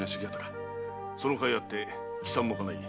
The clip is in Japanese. その甲斐あって帰参も叶い